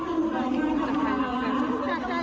คุณแสนยันยินยันอยู่ไหมครับ